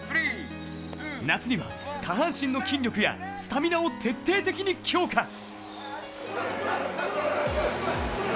夏には、下半身の筋力やスタミナを徹底的に強化。